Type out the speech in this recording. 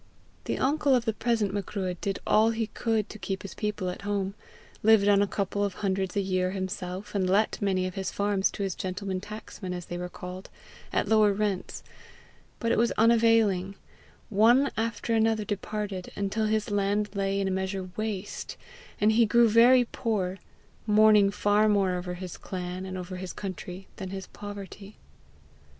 The uncle of the present Macruadh did all he could to keep his people at home, lived on a couple of hundreds a year himself, and let many of his farms to his gentlemen tacksmen, as they were called, at lower rents; but it was unavailing; one after another departed, until his land lay in a measure waste, and he grew very poor, mourning far more over his clan and his country than his poverty.